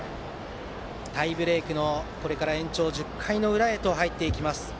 タイブレークの延長１０回裏へと入っていきます。